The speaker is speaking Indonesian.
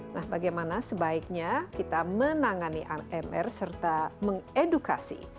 nah bagaimana sebaiknya kita menangani amr serta mengedukasi